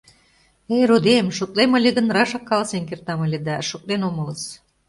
— Эй, родем, шотлем ыле гын, рашак каласен кертам ыле да, шотлен омылыс...